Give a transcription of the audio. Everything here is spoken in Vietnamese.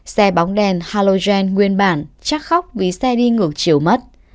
xe bóng đèn halogen nguyên bản chắc khóc vì xe đi ngược chiều mất